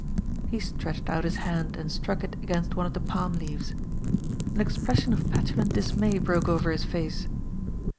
He stretched out his hand and struck it against one of the palm leaves. An expression of petulant dismay broke over his face.